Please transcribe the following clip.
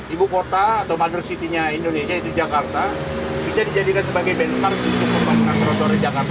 ibu kota atau mother city nya indonesia yaitu jakarta bisa dijadikan sebagai benchmark untuk pembangunan trotoar di jakarta